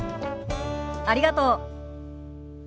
ありがとう。